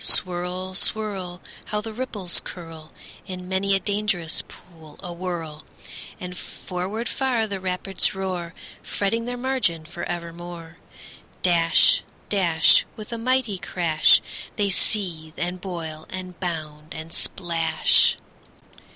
Swirl, swirl! How the ripples curl In many a dangerous pool awhirl! And forward far the rapids roar, Fretting their margin for evermore. Dash, dash, With a mighty crash, They seethe, and boil, and bound, and splash.